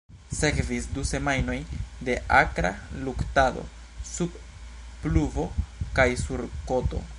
Sekvis du semajnoj de akra luktado sub pluvo kaj sur koto.